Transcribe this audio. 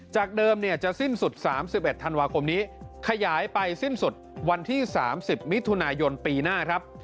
จากเดิมจะสิ้นสุด๓๑ธันวาคมนี้ขยายไปสิ้นสุดวันที่๓๐มิถุนายนปีหน้าครับ